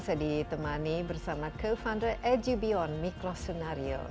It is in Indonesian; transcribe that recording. saya ditemani bersama co founder agibion mikro sunario